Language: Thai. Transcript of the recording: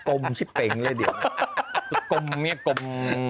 กมชิบเบ้งเลยเดี๋ยวกมเนี่ยกม